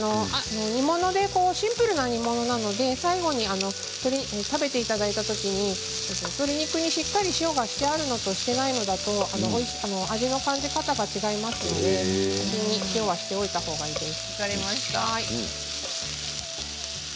シンプルな煮物なので最後に、食べていただいたときに鶏肉にしっかり塩がしてあるのとしていないのだと味の感じ方が違いますのできょうは先にしておいたほうがいいです。